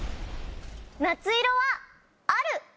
「夏色」はある。